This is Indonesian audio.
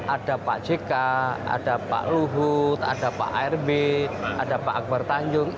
ada pak jk ada pak luhut ada pak rb ada pak akbar tanjung